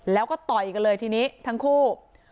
แล้วก็ต่อยกันเลยทีนี้ทั้งคู่